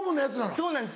そうなんです